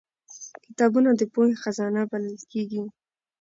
کتابونه د پوهې خزانه بلل کېږي